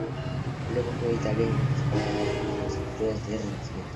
Luego, fue a Italia a explorar el arte y las esculturas del renacimiento.